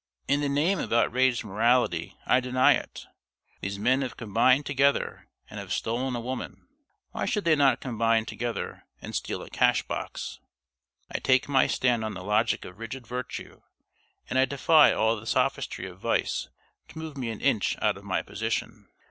In the name of outraged Morality, I deny it. These men have combined together, and have stolen a woman. Why should they not combine together and steal a cash box? I take my stand on the logic of rigid Virtue, and I defy all the sophistry of Vice to move me an inch out of my position.